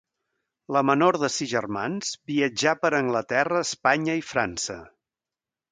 La menor de sis germans, viatjà per Anglaterra, Espanya i França.